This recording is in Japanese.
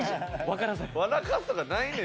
かすとかないね